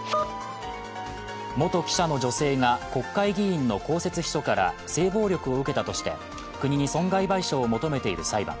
元記者の女性が国会議員の公設秘書から性暴力を受けたとして国に損害賠償を求めている裁判。